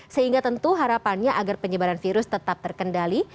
sehingga tentu harapannya agar penyebaran virus tetap terkendali